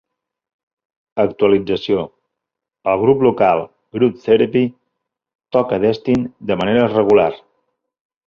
Actualització: el grup local Group Therapy toca a Destin de manera regular.